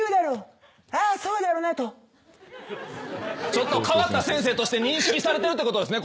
ちょっと変わった先生として認識されてるってことですね？